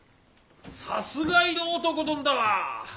さすが色男殿だわ！